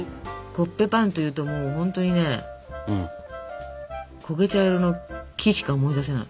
コッペパンっていうとほんとにねこげ茶色の木しか思い出せない。